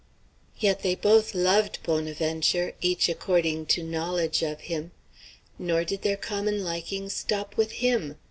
Yet they both loved Bonaventure, each according to knowledge of him. Nor did their common likings stop with him.